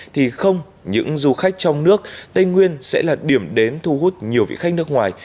thì không những du khách trong nước tây nguyên sẽ là điểm đến thu hút nhiều vị khách nước ngoài